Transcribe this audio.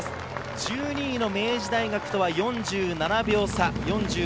１２位の明治大学とは４７秒差。